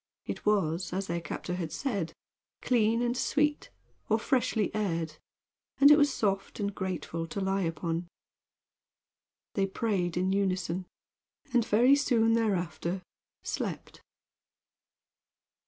It was, as their captor had said, clean and sweet, or freshly aired, and it was soft and grateful to lie upon. They prayed in unison, and very soon thereafter slept.